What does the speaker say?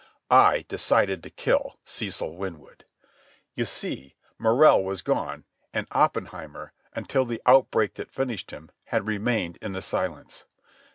I decided to kill Cecil Winwood. You see, Morrell was gone, and Oppenheimer, until the outbreak that finished him, had remained in the silence.